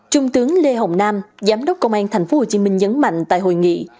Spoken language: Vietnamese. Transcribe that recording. trung tướng lê hồng nam giám đốc công an tp hcm nhấn mạnh tại hội nghị